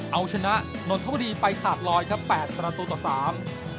เอาชนะนนทบุรีไปขาดลอยครับแปดประตูต่อสาม